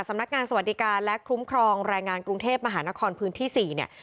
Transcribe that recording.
สำนักงานสวัสดิการและคุ้มครองแรงงานกรุงเทพมหานครพื้นที่๔เนี่ย